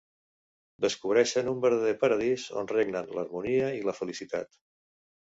Descobreixen un verdader paradís on regnen l’harmonia i la felicitat.